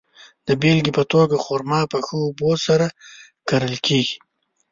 د بېلګې په توګه، خرما په ښه اوبو سره کرل کیږي.